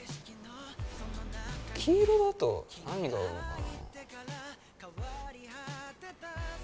黄色だと何が合うのかな。